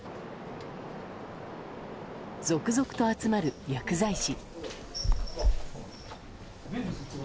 続々と集まる薬剤師。